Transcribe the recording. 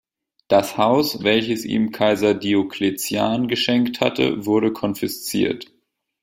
Das Haus, welches ihm Kaiser Diokletian geschenkt hatte, wurde konfisziert.